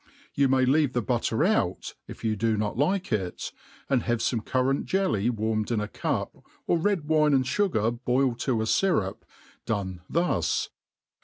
You may leave .the butter out, if y6u do not like it, and have fome currant jclly'warnied in a cup, or' red wine and fugar boiled to a fyrpp) done. thus